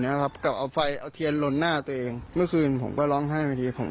ไม่อยากให้แม่เป็นอะไรไปแล้วนอนร้องไห้แท่ทุกคืน